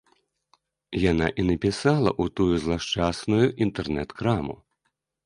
Яна і напісала ў тую злашчасную інтэрнэт-краму.